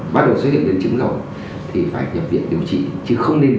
bắt đầu xuất huyết biến trình rồi